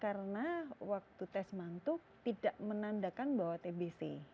karena waktu tes mantuk tidak menandakan bahwa tbc